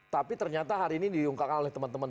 tapi ternyata hari ini diungkapkan oleh teman teman